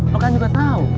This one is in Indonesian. lo kan juga tau